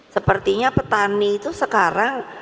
sepertinya petani itu sekarang